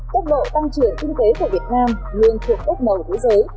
tốc độ tăng trưởng kinh tế của việt nam luôn thuộc tốc nầu thế giới